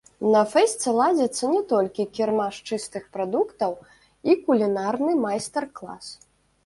На фэсце ладзіцца не толькі кірмаш чыстых прадуктаў і кулінарны майстар-клас.